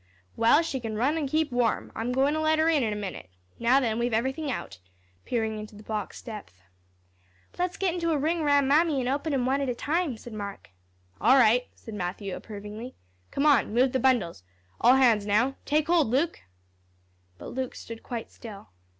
"Well, she can run and keep warm. I'm goin' to let her in, in a minute. Now, then, we've everythin' out," peering into the box depth. "Let's get into a ring round Mammy an' open 'em one at a time," said Mark. "All right," said Matthew, approvingly. "Come on, move the bundles. All hands now. Take hold, Luke." But Luke stood quite still.